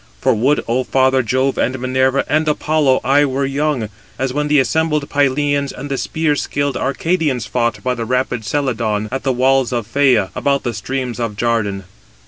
For would, Ο father Jove, and Minerva, and Apollo, I were young, as when the assembled Pylians and the spear skilled Arcadians fought by the rapid Celadon, at the walls of Phæa, about the streams of Jardan.